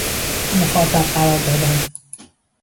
مخاطب قرار دادن